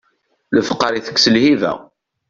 Lefqeṛ itekkes lhiba.